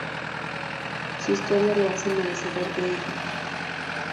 Su historia lo hace merecedor de ello.